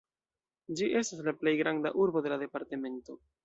Ĝi estas la plej granda urbo de la departemento.